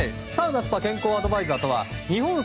サウナ・スパ健康アドバイザーとは日本